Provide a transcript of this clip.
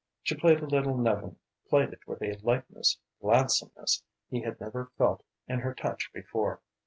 She played a little Nevin, played it with a lightness, gladsomeness, he had never felt in her touch before.